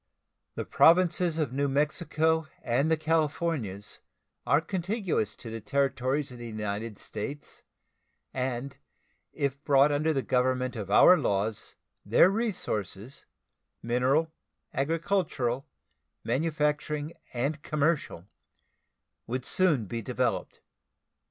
The Provinces of New Mexico and the Californias are contiguous to the territories of the United States, and if brought under the government of our laws their resources mineral, agricultural, manufacturing, and commercial would soon be developed.